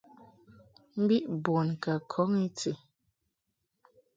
Mbi bun ka kɔn I ti.